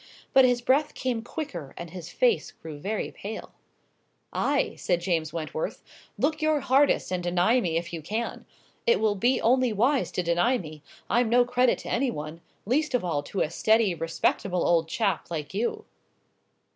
But his breath came quicker and his face grew very pale. "Ay," said James Wentworth, "look your hardest, and deny me if you can. It will be only wise to deny me; I'm no credit to any one—least of all to a steady respectable old chap like you!"